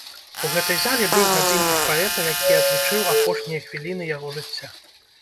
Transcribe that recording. У гэтай зале быў гадзіннік паэта, які адлічыў апошнія хвіліны яго жыцця.